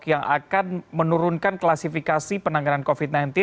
yang akan menurunkan klasifikasi penanganan covid sembilan belas